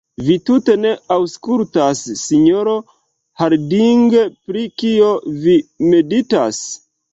Vi tute ne aŭskultas, sinjoro Harding; pri kio vi meditas?